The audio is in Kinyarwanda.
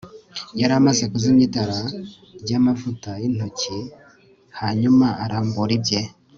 yari amaze kuzimya itara ryamavuta yintoki hanyuma arambura ibye